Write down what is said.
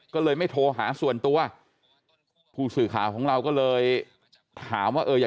ก็เลยไม่โทรหาส่วนตัวผู้สื่อข่าวของเราก็เลยถามว่าเอออยาก